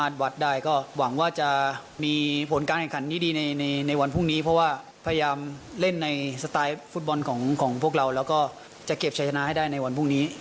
เราก็จะเก็บชัยชนะให้ได้ในวันพรุ่งนี้